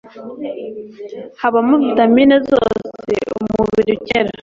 Habamo vitamin zose umubiri ukenera